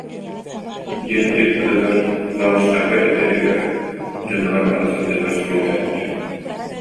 диэн ыйыппытыгар завучтарга этэригэр, дьонугар бара сылдьарыгар сүбэлээбитэ